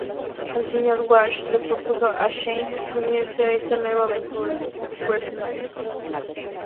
El señor Wash le propuso a Shane unirse a esta nueva aventura, Westlife.